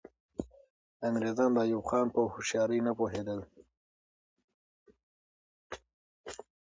انګریزان د ایوب خان په هوښیاري نه پوهېدل.